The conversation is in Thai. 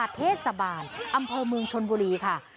อาชิกสะพาดเทศสะบานอำเภอเมืองชนบุรีค่ะ